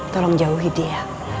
tolong jauhi dia